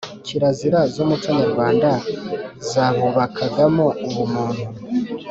kirazira z’umuco nyarwanda zabubakagamo ubumuntu